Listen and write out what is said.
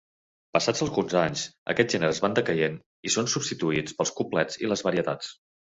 Passats alguns anys, aquests gèneres van decaient i són substituïts pels cuplets i les varietats.